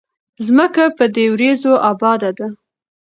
ځمکه په دې وريځو اباده ده